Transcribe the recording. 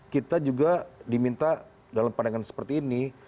kita juga diminta dalam pandangan seperti ini